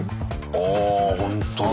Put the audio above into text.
あほんとだ。